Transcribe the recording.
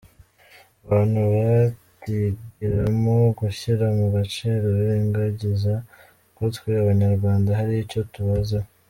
Abantu batigiramo gushyira mu gaciro birengagiza ko twe abanyarwanda hari icyo tubaziho.